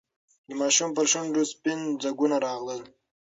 د ماشوم پر شونډو سپین ځگونه راغلل.